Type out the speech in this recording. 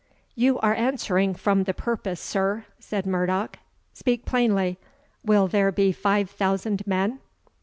"You are answering from the purpose, sir," said Murdoch "speak plainly, will there be five thousand men?"